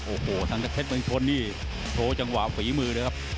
โอ้โหทางเจ้าเพชรเมืองชนนี่โชว์จังหวะฝีมือเลยครับ